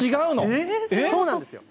そうなんですよ。